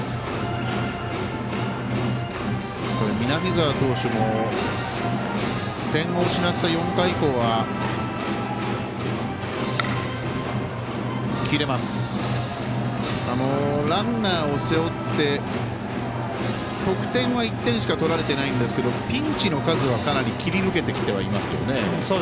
南澤投手も点を失った４回以降はランナーを背負って得点は１点しか取られていないんですけどピンチの数はかなり切り抜けてきてはいますよね。